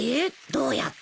どうやって？